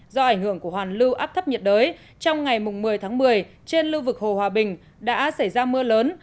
do ảnh hưởng của hoàn lưu áp thấp nhiệt đới trong ngày một mươi tháng một mươi trên lưu vực hồ hòa bình đã xảy ra mưa lớn